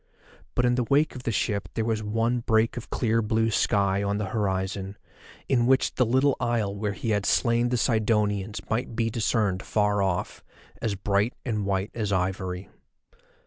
But in the wake of the ship there was one break of clear blue sky on the horizon, in which the little isle where he had slain the Sidonians might be discerned far off, as bright and white as ivory.